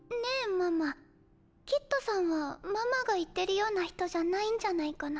ママキッドさんはママが言ってるような人じゃないんじゃないかな？